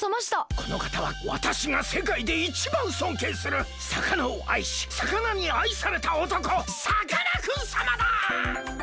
このかたはわたしがせかいでいちばんそんけいするさかなをあいしさかなにあいされたおとこさかなクンさまだ！